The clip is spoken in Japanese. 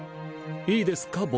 いいですか？